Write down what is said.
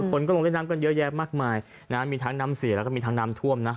คนก็ลงเล่นน้ำกันเยอะแยะมากมายนะมีทั้งน้ำเสียแล้วก็มีทั้งน้ำท่วมนะ